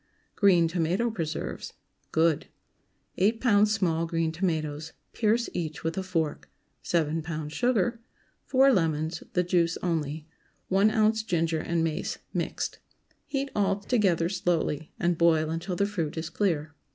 GREEN TOMATO PRESERVES. (Good.) 8 lbs. small green tomatoes. Pierce each with a fork. 7 lbs. sugar. 4 lemons—the juice only. 1 oz. ginger and mace mixed. Heat all together slowly, and boil until the fruit is clear.